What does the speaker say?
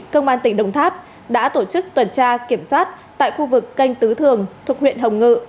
công an tỉnh đồng tháp đã tổ chức tuần tra kiểm soát tại khu vực canh tứ thường thuộc huyện hồng ngự